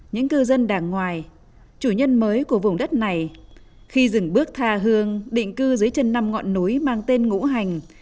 những cư dân đảng ngoài chủ nhân mới của vùng đất này khi rừng bước thà hương định cư dưới chân năm ngọn núi mang tên ngũ hành